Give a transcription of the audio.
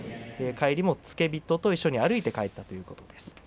帰りも付け人と一緒に歩いて帰ってきたということです。